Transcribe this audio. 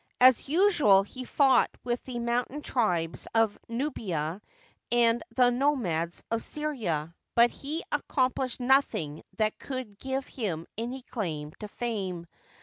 As usual, he fought with the mountain tribes of Nubia and the nomads of Syria ; but he accomplished nothing that could g^ve him any claim to fame.